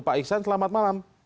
pak iksan selamat malam